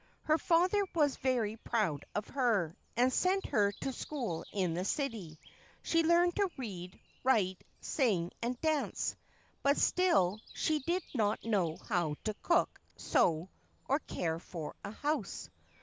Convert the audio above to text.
Her father was very proud of her, and sent her to school in the city. She learned to read, write, sing, and dance, but still she did not know how to cook, sew, or care for a house.